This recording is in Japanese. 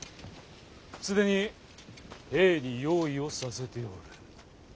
既に兵に用意をさせておる。